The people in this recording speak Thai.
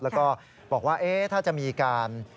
แล้วก็บอกว่าถ้าจะมีการ